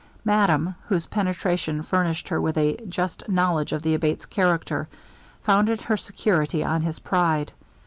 Madame, whose penetration furnished her with a just knowledge of the Abate's character, founded her security on his pride.